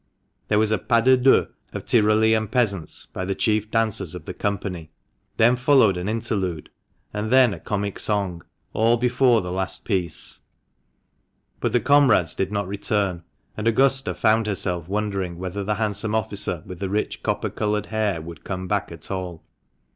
There was a pas de deux of Tyrolean peasants by the chief dancers of the company. Then followed an interlude, and then THB MANCHESTER MAN. a comic song, all before the last piece ; but the comrades did not return ; and Augusta found herself wondering whether the handsome officer, with the rich copper coloured hair, would come back at all.